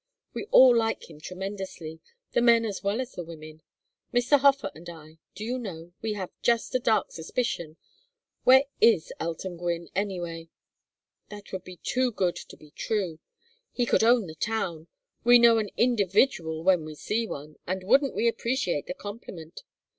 We all like him tremendously, the men as well as the women. Mr. Hofer and I do you know, we have just a dark suspicion where is Elton Gwynne, anyway? That would be too good to be true. He could own the town. We know an individual when we see one, and wouldn't we appreciate the compliment!